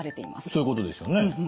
そういうことですよね。